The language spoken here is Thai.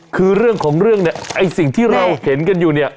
คือเรื่องของเรื่องเนี่ยไอ้สิ่งที่เราเห็นกันอยู่เนี่ย